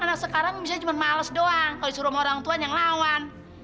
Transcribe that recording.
karena sekarang misalnya cuma males doang kalau disuruh sama orang tua yang lawan